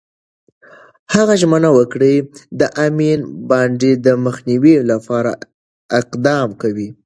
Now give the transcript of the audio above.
هغه ژمنه وکړه، د امین بانډ د مخنیوي لپاره اقدام کوي.